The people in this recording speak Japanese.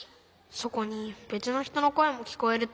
☎そこにべつのひとのこえもきこえると。